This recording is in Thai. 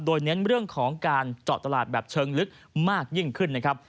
โดยเน้นเรื่องของการเจาะตลาดแบบเชิงลึกมากยิ่งขึ้นนะครับ